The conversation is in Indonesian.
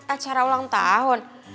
acara ulang tahun